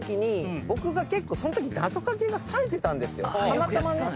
たまたまね。